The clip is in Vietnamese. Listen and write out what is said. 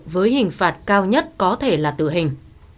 với hình phạt cao nhất có thể là tử hình